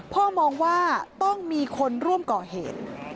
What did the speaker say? พ่อมองว่าต้องมีคนร่วมก่อเหตุ